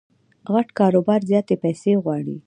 غټ کاروبار زیاتي پیسې غواړي.